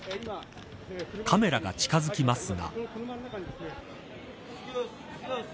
カメラが近づきますが。